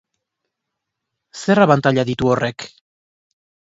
Zer abantaila ditu horrek?